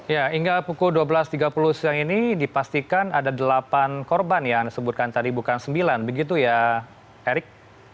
ya hingga pukul dua belas tiga puluh siang ini dipastikan ada delapan korban yang disebutkan tadi bukan sembilan begitu ya erik